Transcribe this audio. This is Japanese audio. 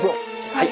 はい。